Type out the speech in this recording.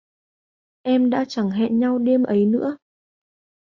Em đã chẳng hẹn nhau đêm ấy nữa